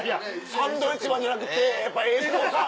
サンドウィッチマンじゃなくてやっぱ英孝さん？